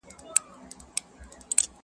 که نڅا وي خو زه هم سم نڅېدلای،